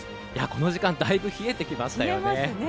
この時間だいぶ冷えてきましたよね。